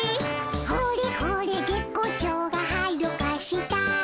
「ほれほれ月光町がはるか下」